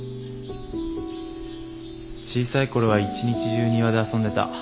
小さい頃は一日中庭で遊んでた。